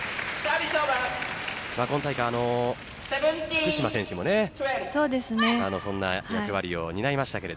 今大会福島選手もそんな役割を担いましたが。